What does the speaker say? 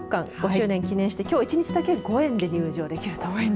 ５周年記念してきょう１日だけ５円で入場できると。